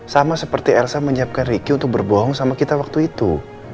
sama seperti elsa menyiapkan ricky untuk berbohong sama kita waktu itu